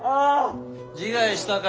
自害したか。